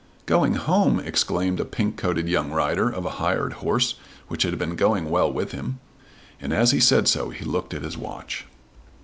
"Going home!" exclaimed a pink coated young rider of a hired horse which had been going well with him; and as he said so he looked at his watch.